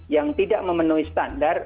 yang tidak memenuhi standar